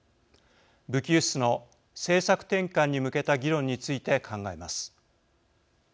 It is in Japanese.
武器輸出の政策転換に向けた議論について考えます。